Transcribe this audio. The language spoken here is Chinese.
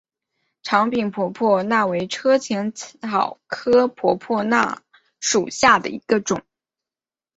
长柄婆婆纳为车前草科婆婆纳属下的一个种。